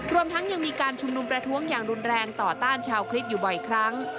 รวมทั้งยังมีการชุมนุมประท้วงอย่างรุนแรงต่อต้านชาวคริสต์อยู่บ่อยครั้ง